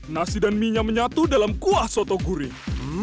nasi dan mie nya menyatu dalam kuah soto gurih